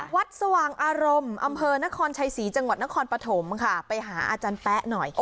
สว่างอารมณ์อำเภอนครชัยศรีจังหวัดนครปฐมค่ะไปหาอาจารย์แป๊ะหน่อย